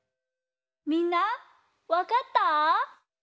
みんなわかった？